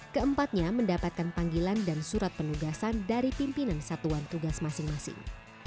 keempatnya mendapatkan panggilan dan surat penugasan dari pimpinan satuan tugas masing masing